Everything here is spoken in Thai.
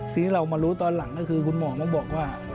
สิ่งที่เรามารู้ตอนหลังคือคุณหมอบอกว่า